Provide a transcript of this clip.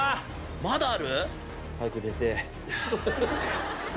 まだある？